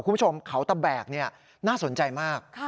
คุณผู้ชมเขาตะแบกน่าสนใจมาก